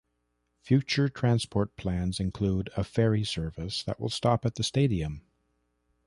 Future transport plans include a ferry service that will stop at the stadium.